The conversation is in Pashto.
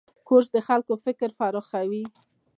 کورس د خلکو فکر پراخوي.